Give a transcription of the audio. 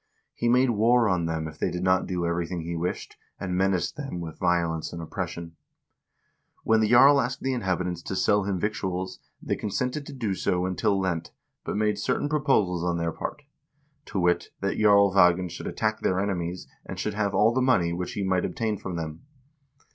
He made war on them if they did not do everything he wished, and menaced them with violence and oppression. When the jarl asked the inhabitants to sell him victuals, they consented to do so until Lent, but made cer tain proposals on their part — to wit, that Jarl Ragnvald should attack their enemies, and should have all the money which he might obtain from them.